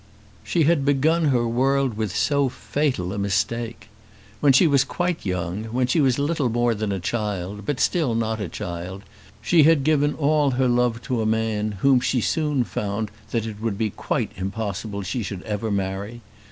She had begun her world with so fatal a mistake! When she was quite young, when she was little more than a child but still not a child, she had given all her love to a man whom she soon found that it would be impossible she should ever marry.